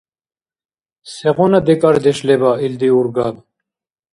Сегъуна декӀардеш леба илди-ургаб?